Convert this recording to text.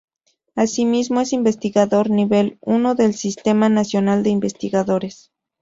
Asimismo es investigador nivel I del Sistema Nacional de Investigadores.